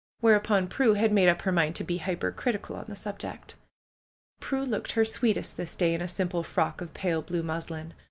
Whereupon Prue had made up her mind to be hypercritical on the subject. Prue looked her sweetest this day, in a simple frock of pale blue muslin.